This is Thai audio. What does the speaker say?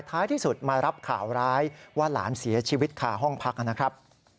ท้ายที่สุดมารับข่าวร้ายว่าหลานเสียชีวิตคาห้องพักนะครับ